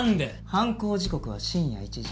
犯行時刻は深夜１時。